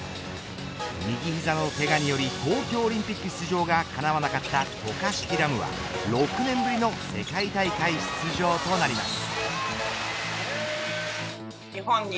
右膝のけがにより東京オリンピック出場がかなわなかった渡嘉敷来夢は６年ぶりの世界大会出場となります。